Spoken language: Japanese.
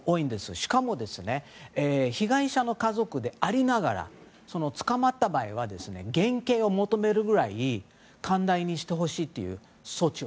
しかも被害者の家族でありながら捕まった場合減刑を求めるぐらい寛大にしてほしいという措置を。